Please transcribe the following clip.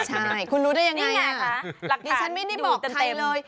ใช่คุณรู้ได้ยังไงนี่ไงคะรักฐานดูเต็มนี่ฉันไม่ได้บอกใครเลย